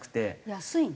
安いの？